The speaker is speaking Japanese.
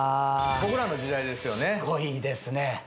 僕らの時代ですよね。